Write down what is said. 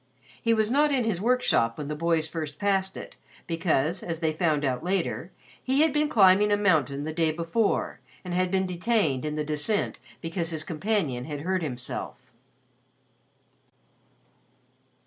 He was not in his workshop when the boys first passed it, because, as they found out later, he had been climbing a mountain the day before, and had been detained in the descent because his companion had hurt himself.